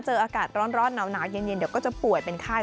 อากาศร้อนหนาวเย็นเดี๋ยวก็จะป่วยเป็นไข้